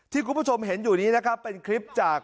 ที่คุณผู้ชมเห็นอยู่นี้นะครับ